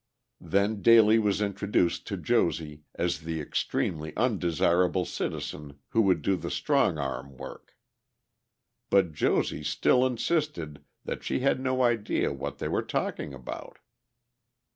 Then Daly was introduced to Josie as the extremely undesirable citizen who would do the strong arm work. But Josie still insisted that she had no idea what they were talking about.